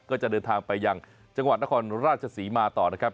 ก็จะเดินทางไปยังจังหวัดนครราชศรีมาต่อนะครับ